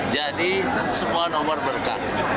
jadi semua nomor berkah